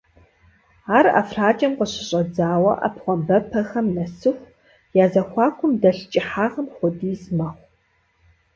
Ар ӀэфракӀэм къыщыщӀэдзауэ Ӏэпхъуамбэпэхэм нэсыху я зэхуакум дэлъ кӀыхьагъым хуэдиз мэхъу.